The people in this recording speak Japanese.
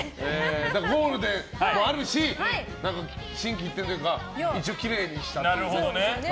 ゴールデンもあるし心機一転というか一応、きれいにしたっていうね。